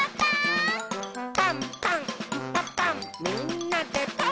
「パンパンんパパンみんなでパン！」